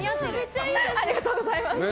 ありがとうございます。